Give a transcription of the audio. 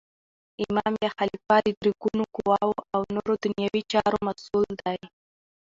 امام یا خلیفه د درو ګونو قوواو او نور دنیوي چارو مسول دی.